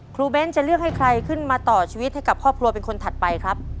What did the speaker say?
เบ้นจะเลือกให้ใครขึ้นมาต่อชีวิตให้กับครอบครัวเป็นคนถัดไปครับ